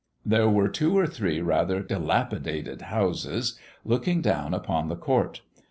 There were two or three rather dilapidated houses looking down upon the court.